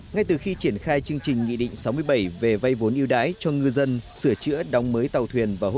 ngay từ khi triển khai chương trình nghị định sáu mươi bảy về vay vốn yêu đái cho ngư dân sửa chữa đóng mới tàu thuyền và hỗ trợ